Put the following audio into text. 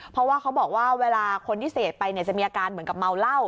เพราะว่าเขาบอกว่าเวลาคนที่เสพไปเนี่ยจะมีอาการเหมือนกับเมาเหล้า